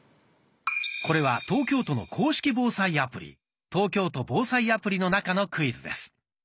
これは東京都の公式防災アプリ「東京都防災アプリ」の中のクイズです。